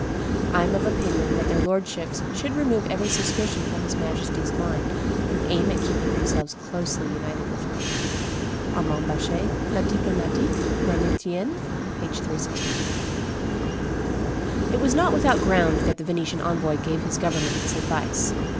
... I am of opinion that their lordships should remove every suspicion from his Majesty's mind, and aim at keeping themselves closely united with him." [Armand Baschet, La Diplomatic, L'enitienne, p. 362.] It was not without ground that the Venetian envoy gave his government this advice.